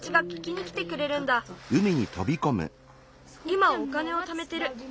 いまお金をためてる。